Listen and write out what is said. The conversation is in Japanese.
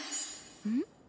うん？